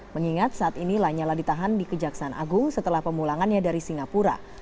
mengingat saat ini lanyala ditahan di kejaksaan agung setelah pemulangannya dari singapura